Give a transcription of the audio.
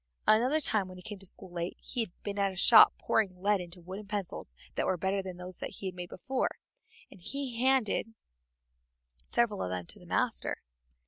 Another time when he came to school late, he had been at a shop pouring lead into wooden pencils that were better than those he had made before, and he handed several of them to the master.